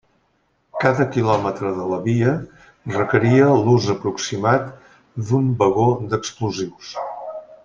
Cada quilòmetre de la via requeria l'ús aproximat d'un vagó d'explosius.